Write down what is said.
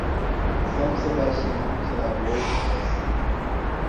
São Sebastião de Lagoa de Roça